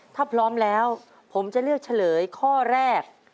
ถ้าพร้อมแล้วผมจะเลือกเฉลยข้อแรก